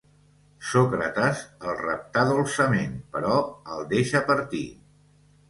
Sòcrates el reptà dolçament, però el deixà partir